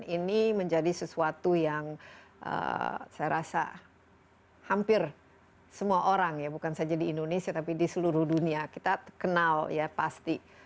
ini menjadi sesuatu yang saya rasa hampir semua orang ya bukan saja di indonesia tapi di seluruh dunia kita kenal ya pasti